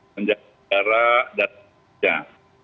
menjaga negara dan rakyat